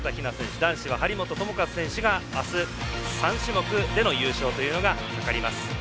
男子は張本智和選手が明日、３種目での優勝というのがかかります。